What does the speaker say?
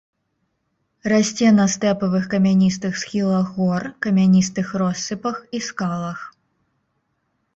Расце на стэпавых камяністых схілах гор, камяністых россыпах і скалах.